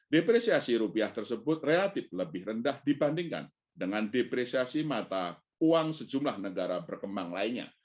depresiasi rupiah tersebut relatif lebih rendah dibandingkan dengan depresiasi mata uang sejumlah negara berkembang lainnya